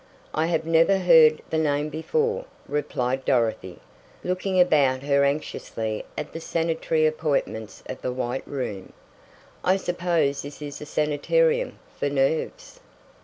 "I have never heard the name before," replied Dorothy, looking about her anxiously at the sanitary appointments of the white room. "I suppose this is a sanitarium for nerves."